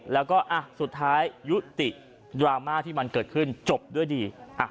แล้วก็สุดท้ายยุติดราม่าที่มันเกิดขึ้นจบด้วยดี